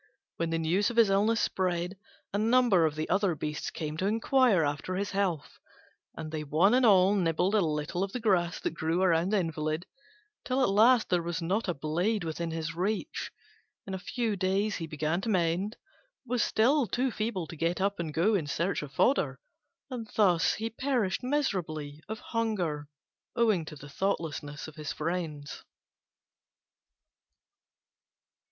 When the news of his illness spread, a number of the other beasts came to inquire after his health, and they one and all nibbled a little of the grass that grew round the invalid till at last there was not a blade within his reach. In a few days he began to mend, but was still too feeble to get up and go in search of fodder; and thus he perished miserably of hunger owing to the thoughtlessness of his friends.